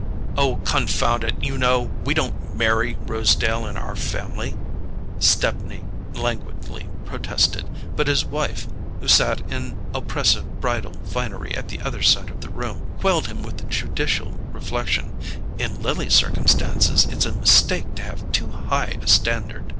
"Oh, confound it, you know, we don't MARRY Rosedale in our family," Stepney languidly protested; but his wife, who sat in oppressive bridal finery at the other side of the room, quelled him with the judicial reflection: "In Lily's circumstances it's a mistake to have too high a standard."